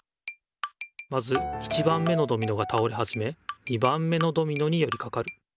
まず１番目のドミノが倒れはじめ２番目のドミノによりかかる。